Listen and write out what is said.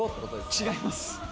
違います。